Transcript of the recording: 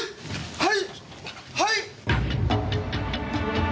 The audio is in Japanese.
はい！